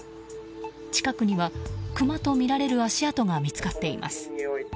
近くにはクマとみられる足跡が見つかっています。